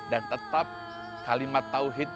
dan tetap kalimat tauhid